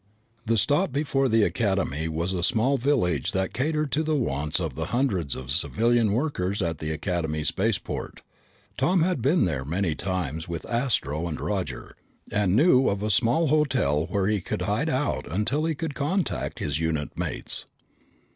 The stop before the Academy was a small village that catered to the wants of the hundreds of civilian workers at the Academy spaceport. Tom had been there many times with Astro and Roger, and knew of a small hotel where he could hide out until he could contact his unit mates.